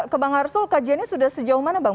ke bang arsul kajiannya sudah sejauh mana bang